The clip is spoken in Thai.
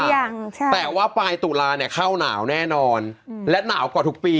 ยังใช่แต่ว่าปลายตุลาเนี่ยเข้าหนาวแน่นอนและหนาวกว่าทุกปี